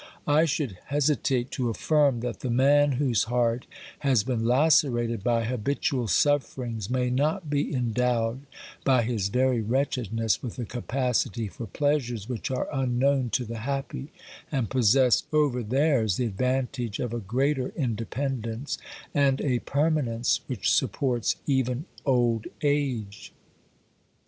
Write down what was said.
I should hesitate to affirm that the man whose heart has been lacerated by habitual sufferings may not be endowed by his very wretchedness with a capacity for pleasures which are unknown to the happy, and possess over theirs the advantage of a greater independence and a 10 OBERMANN permanence which supports even old age.